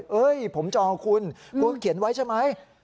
เฮ้ยผมจองกับคุณเกาะเขียนไว้ใช่มั้ย